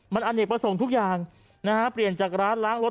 มันอเนกประสงค์ทุกอย่างนะฮะเปลี่ยนจากร้านล้างรถ